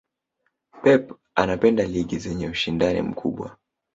pep anapenda ligi zenye ushindani mkubwa